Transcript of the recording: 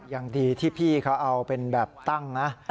ยังดีที่พี่เขาเอาเป็นแบบตั้งนะ